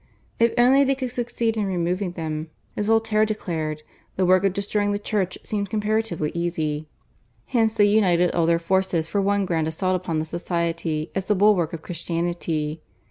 If only they could succeed in removing them, as Voltaire declared, the work of destroying the Church seemed comparatively easy. Hence they united all their forces for one grand assault upon the Society as the bulwark of Christianity.